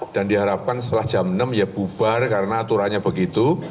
dan diharapkan setelah jam enam ya bubar karena aturannya begitu